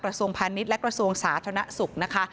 กระทรวงพาณิชย์และกระทรวงสาธารณสุขนะคะ